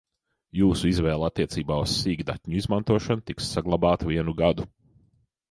Jūsu izvēle attiecībā uz sīkdatņu izmantošanu tiks saglabāta vienu gadu.